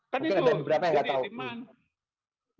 kan itu jadi dimana